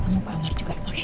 tapi juga mau pak amar juga